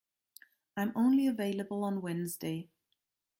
I am only available on Wednesday.